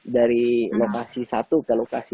dari lokasi satu ke lokasi